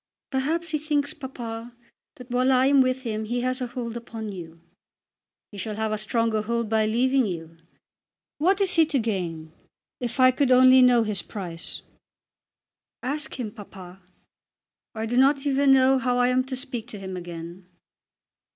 "Perhaps he thinks, papa, that while I am with him he has a hold upon you." "He shall have a stronger hold by leaving you. What is he to gain? If I could only know his price." "Ask him, papa." "I do not even know how I am to speak to him again."